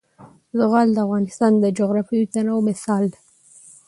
زغال د افغانستان د جغرافیوي تنوع مثال دی.